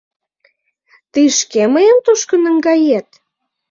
— Тый шке мыйым тушко наҥгает?